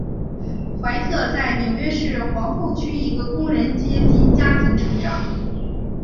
怀特在纽约市皇后区一个工人阶级家庭成长。